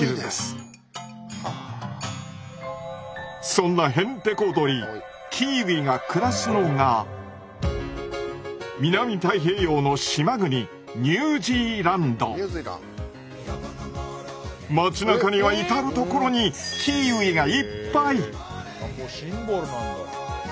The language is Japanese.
そんなへんてこ鳥キーウィが暮らすのが南太平洋の島国街なかには至る所にあもうシンボルなんだ。